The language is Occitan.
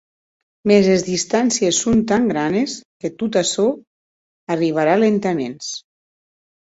Mès es distàncies son tan granes que tot açò arribarà lentaments.